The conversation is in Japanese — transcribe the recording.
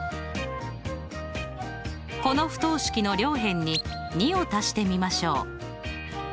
この不等式の両辺に２を足してみましょう。